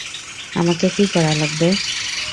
আমাকে কী করা লাগবে?